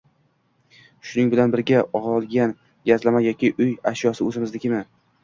Shuning bilan birga olgan gazlama yoki uy ashyosi o'zimiznikimi